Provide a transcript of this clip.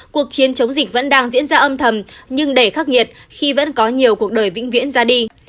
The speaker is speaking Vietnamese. cuộc chiến chống dịch vẫn đang diễn ra âm thầm nhưng đầy khắc nghiệt khi vẫn có nhiều cuộc đời vĩnh viễn ra đi